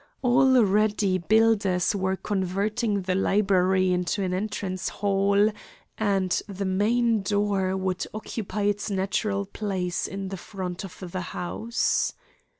Already builders were converting the library into an entrance hall, and the main door would occupy its natural place in the front of the house.